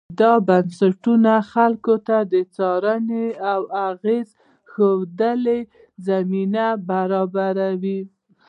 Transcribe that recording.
دا بنسټونه خلکو ته د څارنې او اغېز ښندلو زمینه برابروي.